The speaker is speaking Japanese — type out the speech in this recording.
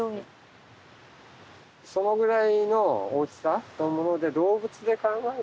そのぐらいの大きさのもので。